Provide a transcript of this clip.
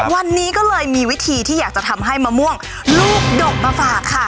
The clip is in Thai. วันนี้ก็เลยมีวิธีที่อยากจะทำให้มะม่วงลูกดกมาฝากค่ะ